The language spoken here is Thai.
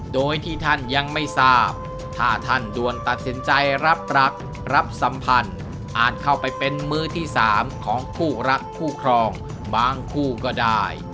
โดยที่ท่านยังไม่ทราบถ้าท่านดวนตัดสินใจรับรักรับสัมพันธ์อาจเข้าไปเป็นมือที่๓ของคู่รักคู่ครองบางคู่ก็ได้